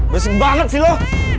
besit banget sih lo